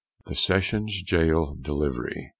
THE SESSIONS GAOL DELIVERY.